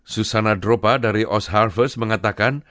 susana droppa dari oz harvest mengatakan